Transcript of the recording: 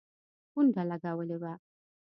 پونډه لګولي وه.